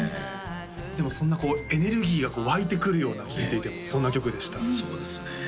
そんなこうエネルギーが湧いてくるような聴いていてもそんな曲でしたそうですね